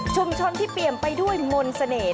ชุมชนที่เปรียมไปด้วยมนต์เสน่ห์